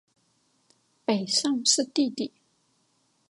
北尚是弟弟。